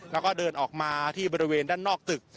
แล้วก็เดินออกมาที่บริเวณด้านนอกตึก